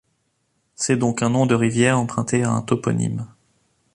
C'est donc un nom de rivière emprunté à un toponyme.